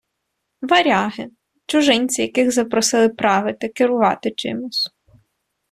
Варяги — чужинці, яких запросили правити, керувати чимось